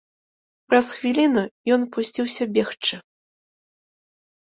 Праз хвіліну ён пусціўся бегчы.